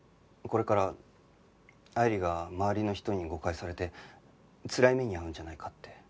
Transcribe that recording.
これから愛理が周りの人に誤解されてつらい目に遭うんじゃないかって。